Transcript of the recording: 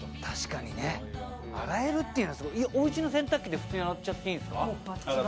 確かにね洗えるっていうのはすごいおうちの洗濯機で普通に洗っちゃっていいんですか？